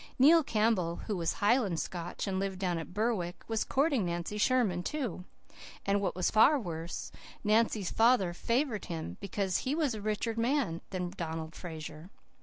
Neil Campbell, who was Highland Scotch and lived down at Berwick, was courting Nancy Sherman, too; and, what was far worse, Nancy's father favoured him, because he was a richer man than Donald Fraser.